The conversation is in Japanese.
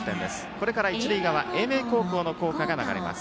これから一塁側、英明高校の校歌が流れます。